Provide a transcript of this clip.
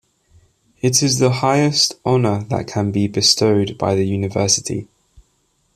It is the highest honor that can be bestowed by the university.